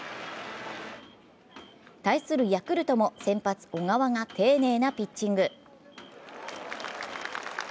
対するヤクルトも先発・小川が丁寧なピッチング。